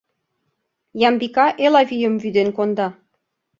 Ямбика Элавийым вӱден конда.